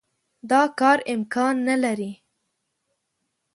دا کار امکان نه لري.